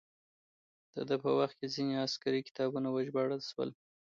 د ده په وخت کې ځینې عسکري کتابونه وژباړل شول.